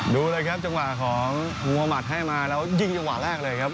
ดูเลยครับจังหวะของมัวหมัดให้มาแล้วยิงจังหวะแรกเลยครับ